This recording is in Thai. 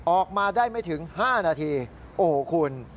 ออกมาได้ไม่ถึง๕นาทีโอ้โหคุณ